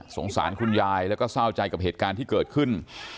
สารคุณยายแล้วก็เศร้าใจกับเหตุการณ์ที่เกิดขึ้น